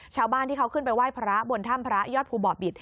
ชาวบ้านที่เขาขึ้นไปไหว้พระบนถ้ำพระยอดภูบ่อบิต